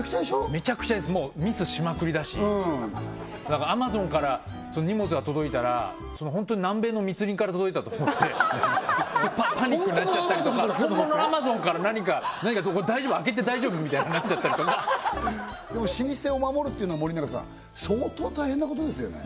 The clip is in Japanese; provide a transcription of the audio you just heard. めちゃくちゃですもうミスしまくりだしＡｍａｚｏｎから荷物が届いたら本当に南米の密林から届いたと思ってパニックになっちゃったりとか本当のアマゾンから本物のアマゾンから何か開けて大丈夫？みたいになっちゃったりとかでも老舗を守るっていうのは森永さん相当大変なことですよね